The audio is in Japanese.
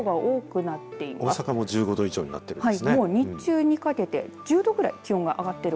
大阪も１５度以上になってるんですね。